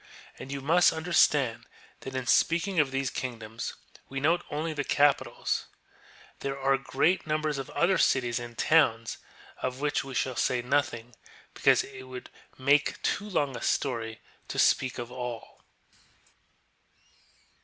And y.QVlei&^ist understand that in speaking of these kingdoms we note only the capitals ; there are great num bers of other cities and towns of which we shall say nothing, because it would make too long a story to speak of all.